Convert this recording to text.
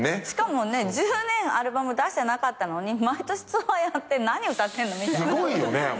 しかもね１０年アルバム出してなかったのに毎年ツアーやって何歌ってんの？みたいな。